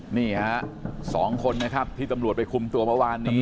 นี่ฮะ๒คนนะครับที่ตำรวจไปคุมตัวเมื่อวานนี้